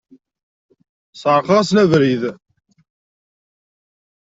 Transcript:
Sεerqeɣ-asen abrid.